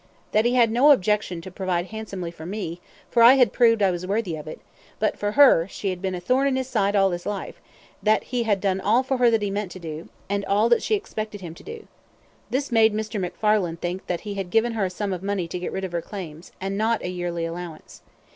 That he had no objection to provide handsomely for me, for I had proved that I was worthy of it; but for her, she had been a thorn in his side all his life; that he had done all for her that he meant to do, and all that she expected him to do. This made Mr. McFarlane think that he had given her a sum of money to get rid of her claims, and not a yearly allowance.